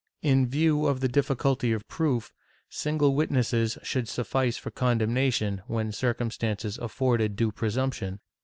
In view of the difficulty of proof, single witnesses should suffice for condemnation, when circumstances afforded due presumption.